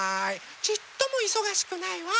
ちっともいそがしくないわ。